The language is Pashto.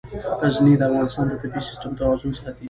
غزني د افغانستان د طبعي سیسټم توازن ساتي.